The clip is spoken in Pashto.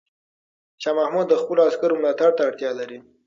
شاه محمود د خپلو عسکرو ملاتړ ته اړتیا لري.